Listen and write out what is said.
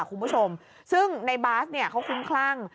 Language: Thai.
คุณผู้ชมซึ่งในบาสเนี่ยเขาคุ้มคลั่ง